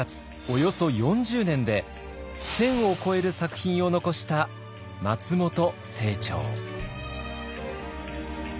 およそ４０年で１，０００を超える作品を残した松本清張。